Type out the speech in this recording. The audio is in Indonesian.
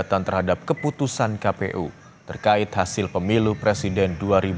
terhadap keputusan kpu terkait hasil pemilu presiden dua ribu dua puluh